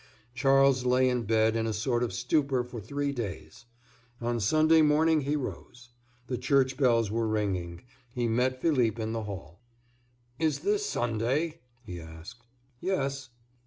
Charles lay in bed in a sort of stupor for three days. On Sunday morning he rose. The church bells were ringing. He met Philippe in the hall. "Is this Sunday?" he asked. "Yes."